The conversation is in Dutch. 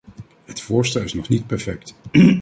Het voorstel is nog niet perfect.